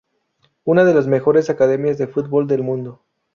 Una de las mejores academias de fútbol del mundo.